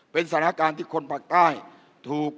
เป็นสถานการณ์ที่คนภาคใต้ถูก